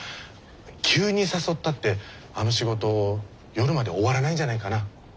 急に誘ったってあの仕事夜まで終わらないんじゃないかな。